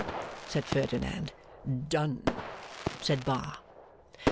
said Ferdinand. 'Done!' said Bar.